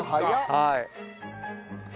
はい。